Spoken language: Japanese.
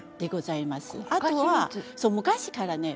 あとは昔からね